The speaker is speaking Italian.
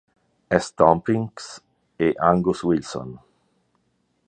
S. Tompkins e Angus Wilson.